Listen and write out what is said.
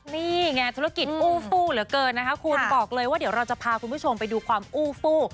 นี่น่ะธุรกิจอูฟุเหลือเกินบอกเลยว่าเดี๋ยวเราจะพาคุณผู้ชมไปดูความอูฟุ